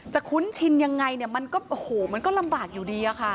คุ้นชินยังไงเนี่ยมันก็โอ้โหมันก็ลำบากอยู่ดีอะค่ะ